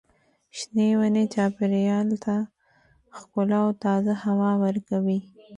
شنې ونې چاپېریال ته ښکلا او تازه هوا ورکوي.